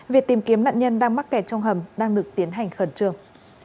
việc tìm kiếm nạn nhân đang mắc kẹt trong hầm đang được tiến hành khẩn trương